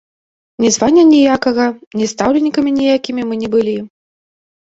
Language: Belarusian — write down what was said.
Ні звання ніякага, ні стаўленікамі ніякімі мы не былі.